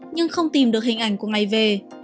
nhưng không tìm được hình ảnh của ngày về